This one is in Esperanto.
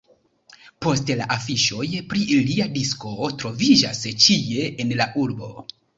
Poste, la afiŝoj pri lia disko troviĝas ĉie en la urbo.